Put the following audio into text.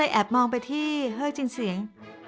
แล้วฉันก็เลยแอบมองไปที่เฮ้ยจิงเสียง